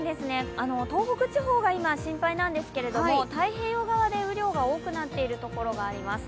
東北地方が今、心配なんですけれども、太平洋側で雨量が多くなっているところがあります。